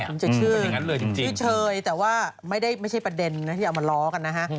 มันจะชื่อพี่เชยแต่ว่าไม่ใช่ประเด็นที่เอามาล้อกันนะฮะ